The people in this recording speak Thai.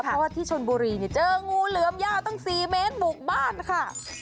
เพราะว่าที่ชนบุรีเจองูเหลือมยาวตั้ง๔เมตรบุกบ้านค่ะ